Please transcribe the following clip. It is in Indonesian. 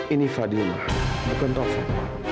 ini fadil bukan taufan